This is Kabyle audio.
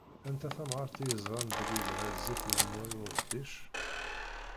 Anta tamɣaṛt i yeẓṛan belli ilha zzit uzemmur i udeddic.